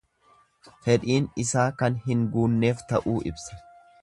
Fedhiin isaa kan hin guunneef ta'uu ibsa.